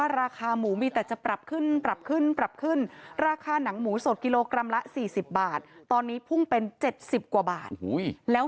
ราคาน้ำหมูสดกิโลกรัมละ๔๐บาทตอนนี้พุ่งเป็น๗๐กว่าบาทแล้ว